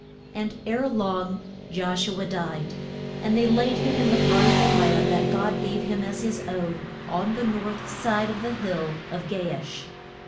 And ere long Josh u a died. And they laid him in the part of the land that God gave him as his own, on the north side of the hill of Ga ash.